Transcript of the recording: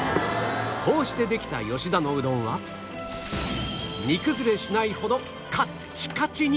こうしてできた吉田のうどんは煮崩れしないほどカッチカチに